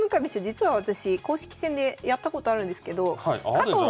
実は私公式戦でやったことあるんですけど。